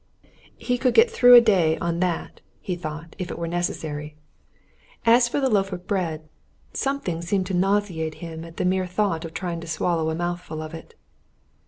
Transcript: He could get through a day on that, he thought, if it were necessary as for the loaf of bread, something seemed to nauseate him at the mere thought of trying to swallow a mouthful of it.